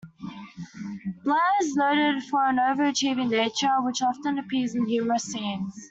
Blair is noted for an over-achieving nature, which often appears in humorous scenes.